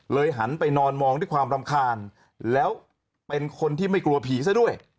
หันไปนอนมองด้วยความรำคาญแล้วเป็นคนที่ไม่กลัวผีซะด้วย